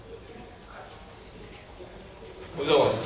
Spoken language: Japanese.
おはようございます。